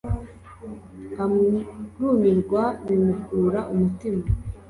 arumirwa, bimukura umutima